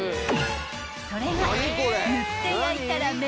［それが］